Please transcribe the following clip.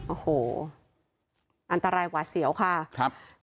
โอ้โหอันตรายหวาดเสียวค่ะครับ